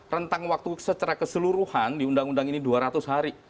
rentang waktu secara keseluruhan di undang undang ini dua ratus hari